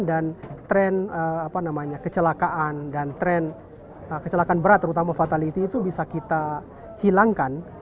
dan tren kecelakaan dan tren kecelakaan berat terutama fatality itu bisa kita hilangkan